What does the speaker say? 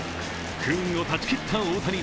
不運を断ち切った大谷。